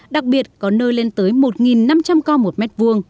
đặc biệt có nơi lên tới một năm trăm linh co một m hai